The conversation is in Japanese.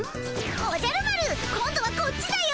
おじゃる丸今度はこっちだよ。